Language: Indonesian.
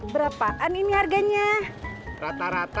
berapaan ini harganya rata rata satu ratus lima puluh